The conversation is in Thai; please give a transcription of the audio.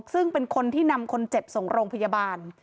ซึ่งเป็นคนที่นำคนเจ็บส่งโรงพยาบาล